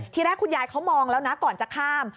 ทีแรกคุณยายเขามองแล้วนะก่อนจะข้าม